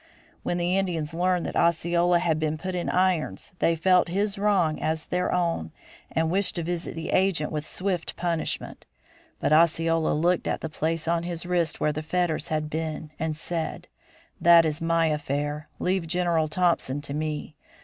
When the Indians learned that Osceola had been put in irons they felt his wrong as their own and wished to visit the agent with swift punishment. But Osceola looked at the place on his wrist where the fetters had been and said: "That is my affair. Leave General Thompson to me.